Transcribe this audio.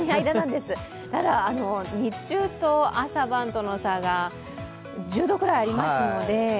ただ日中と朝晩との差が１０度くらいありますので。